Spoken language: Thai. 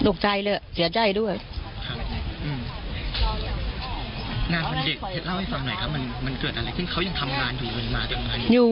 มันเกิดอะไรขึ้นเขายังทำงานอยู่หรือมาทำงานอยู่